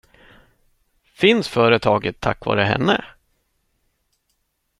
Finns företaget tack vare henne?